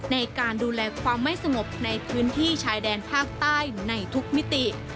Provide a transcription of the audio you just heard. ในการดูแลความไม่สงบในพื้นที่ชายแดนภาคใต้ในทุกมิติ